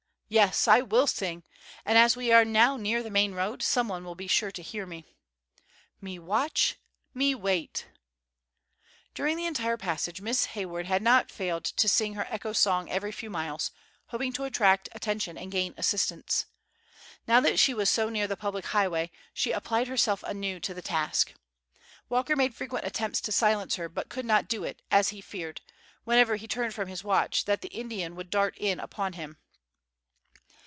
"Yes, I will sing. And as we are now near the main road, some one will be sure to hear me." "Me watch—me wait!" During the entire passage Miss Hayward had not failed to sing her echo song every few miles, hoping to attract attention and gain assistance. Now that she was so near the public highway, she applied herself anew to the task. Walker made frequent attempts to silence her, but could not do it, as he feared, whenever he turned from his watch, that the Indian would dart in upon him.